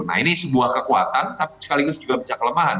nah ini sebuah kekuatan tapi sekaligus juga bisa kelemahan